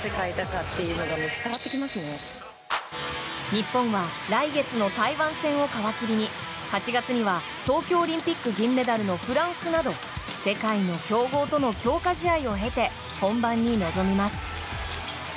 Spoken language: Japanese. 日本は来月の台湾戦を皮切りに８月には、東京オリンピック銀メダルのフランスなど世界の強豪との強化試合を経て本番に臨みます。